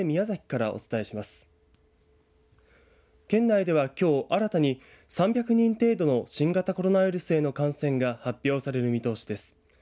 県内ではきょう新たに３００人程度の新型コロナウイルスへの感染が発表される見通しです。